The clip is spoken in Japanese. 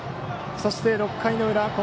そして、６回の裏。